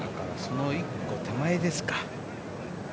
１個手前ですか。